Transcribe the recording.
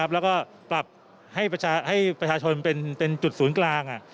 แล้วก็ปรับให้ประชาชนเป็นจุดศูนย์กลาง